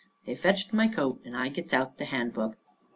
They fetched my coat, and I gets out the Handbook.